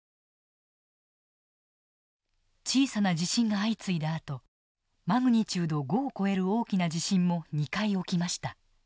小さな地震が相次いだあとＭ５．０を超える大きな地震も２回起きました。